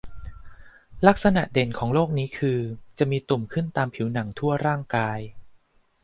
ลักษณะเด่นของโรคนี้คือจะมีตุ่มขึ้นตามผิวหนังทั่วร่างกาย